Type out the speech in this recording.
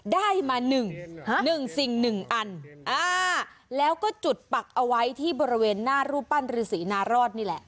ได้มา๑๑สิ่งหนึ่งอันแล้วก็จุดปักเอาไว้ที่บริเวณหน้ารูปปั้นฤษีนารอดนี่แหละ